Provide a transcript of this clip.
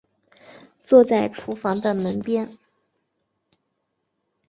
坐在厨房的门边